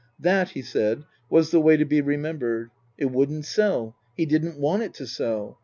That, he said, was the way to be remembered. It wouldn't sell. He didn't want it to sell.